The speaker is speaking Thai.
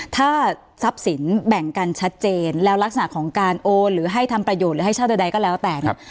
ถ้าทรัพย์สินแบ่งกันชัดเจนแล้วลักษณะของการโอนหรือให้ทำประโยชน์หรือให้เช่าใดก็แล้วแต่เนี่ย